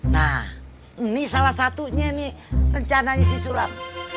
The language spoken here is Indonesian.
nah ini salah satunya nih rencana si sulam